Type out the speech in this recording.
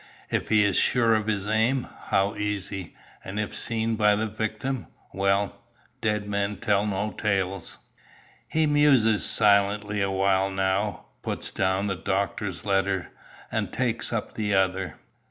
If he is sure of his aim, how easy! And if seen by the victim, well 'Dead men tell no tales.'" He muses silently awhile now, puts down the doctor's letter, and takes up the other.